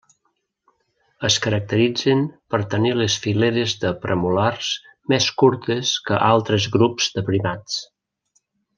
Es caracteritzen per tenir les fileres de premolars més curtes que altres grups de primats.